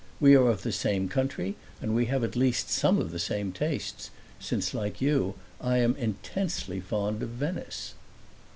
We are of the same country, and we have at least some of the same tastes, since, like you, I am intensely fond of Venice."